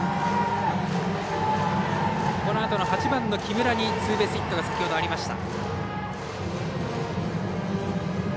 このあとの８番の木村にツーベースヒットが先ほどありました。